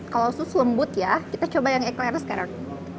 kalau sus lembut ya kita coba yang ikhlaq sekarang